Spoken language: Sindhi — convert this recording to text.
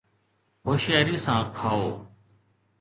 هوشياري سان کائو